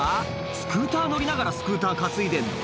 スクーター乗りながらスクーター担いでんの？